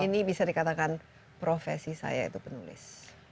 ini bisa dikatakan profesi saya itu penulis